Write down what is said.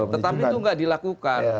tetapi itu tidak dilakukan